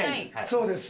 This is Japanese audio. そうです。